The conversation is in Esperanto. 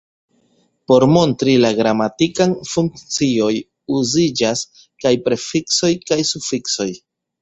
Por montri la gramatikan funkcion, uziĝas kaj prefiksoj kaj sufiksoj.